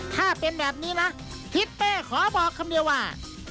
ถ้าเป็นแบบนี้นะทิศเป้ขอบอกคำเดียวว่า